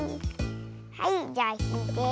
はいじゃあひいて。